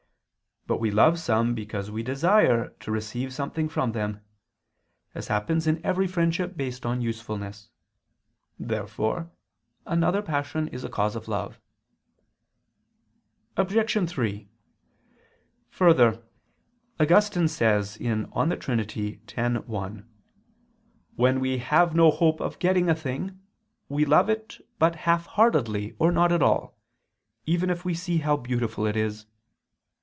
But we love some because we desire to receive something from them: as happens in every friendship based on usefulness. Therefore another passion is a cause of love. Obj. 3: Further, Augustine says (De Trin. x, 1): "When we have no hope of getting a thing, we love it but half heartedly or not at all, even if we see how beautiful it is."